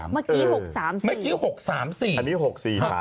เมื่อกี้๖๓๔อันนี้๖๔๕